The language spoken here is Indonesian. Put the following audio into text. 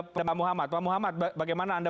pak muhammad pak muhammad bagaimana anda